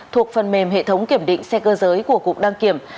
thuộc phần mềm hệ thống kiểm định xe cơ giới của cục đăng kiểm